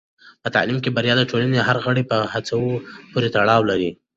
په تعلیم کې بریا د ټولنې د هر غړي په هڅو پورې تړلې ده.